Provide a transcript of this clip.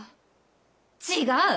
違う！